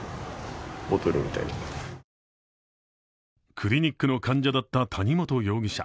クリニックの患者だった谷本容疑者。